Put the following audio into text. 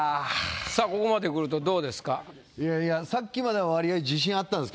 さあここまでくるとどうですか？